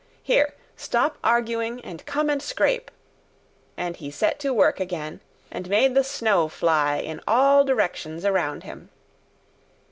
"Here, stop arguing and come and scrape!" And he set to work again and made the snow fly in all directions around him.